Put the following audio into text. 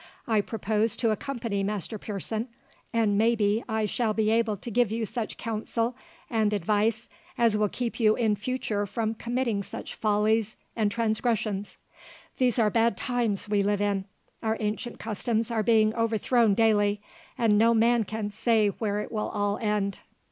I propose to accompany Master Pearson, and may be I shall be able to give you such counsel and advice as will keep you in future from committing such follies and transgressions. These are bad times we live in. Our ancient customs are being overthrown daily, and no man can say where it will all end."